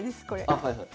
あはいはい。